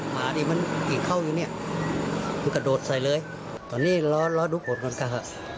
ไปเฝ้ามันก่อนตอนนี้รู้เป็นนะ